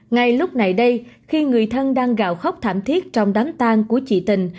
ngay lúc này đây khi người thân đang gào khóc thảm thiết trong đánh tan của chị tình